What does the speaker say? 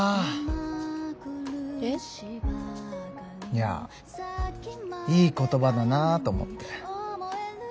いやいい言葉だなと思って。